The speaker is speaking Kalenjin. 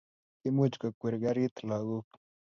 Kimuch kokwer karit lagok